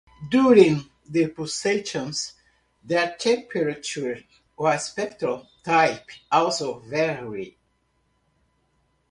During the pulsations, that temperature and spectral type also vary.